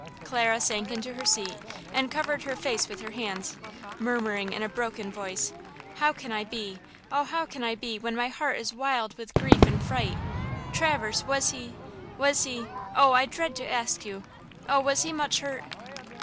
Clara sank into her seat and covered her face with her hands, murmuring, in a broken voice: "How can I be? Oh, how can I be, when my heart is wild with grief and fright? Traverse! Was he–was he–oh, I dread to ask you! Oh, was he much hurt?"